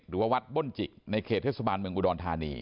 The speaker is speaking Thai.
วัดบ้นจิกในเขตเทศบาลเมืองอุดรธานี